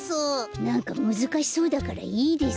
なんかむずかしそうだからいいです。